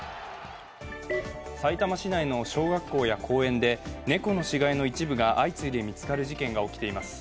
さいたま市内の小学校や公園で猫の死骸の一部が相次いで見つかる事件が起きています。